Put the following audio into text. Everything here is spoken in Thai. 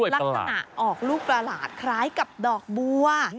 ลักษณะออกลูกประหลาดคล้ายกับดอกบัว